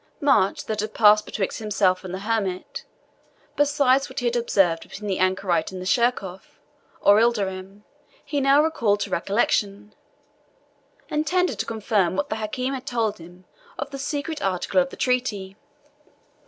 Much that had passed betwixt himself and the hermit, besides what he had observed between the anchorite and Sheerkohf (or Ilderim), he now recalled to recollection, and tended to confirm what the Hakim had told him of the secret article of the treaty.